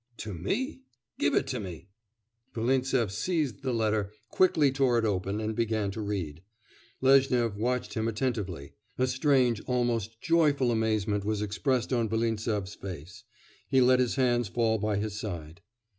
'To me!... give it me!' Volintsev seized the letter, quickly tore it open, and began to read. Lezhnyov watched him attentively; a strange, almost joyful amazement was expressed on Volintsev's face; he let his hands fall by his side.